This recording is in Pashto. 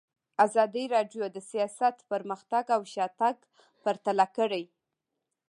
ازادي راډیو د سیاست پرمختګ او شاتګ پرتله کړی.